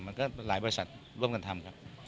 มันก็หลายบริษัทร่วมกันทำครับ